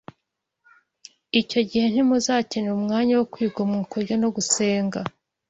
icyo gihe ntimuzakenera umwanya wo kwigomwa kurya no gusenga